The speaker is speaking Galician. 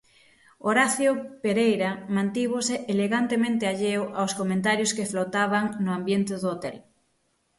Horacio Pereira mantívose elegantemente alleo aos comentarios que flotaban no ambiente do hotel.